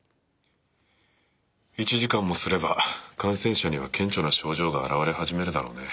１時間もすれば感染者には顕著な症状が表れ始めるだろうね。